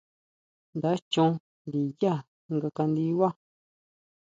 Nda chon ndinyá nga kandibá.